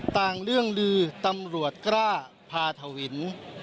เรื่องลือตำรวจกล้าพาทวิน